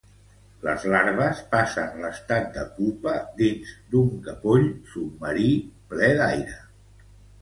Les larves passen l'estat de pupa dins d'un capoll submarí ple d'aire.